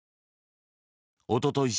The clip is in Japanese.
おととい